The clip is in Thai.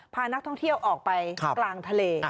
พานักท่องเที่ยวออกไปกลางทะเล